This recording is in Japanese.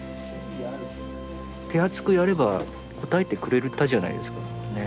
手厚くやれば応えてくれたじゃないですか。ね。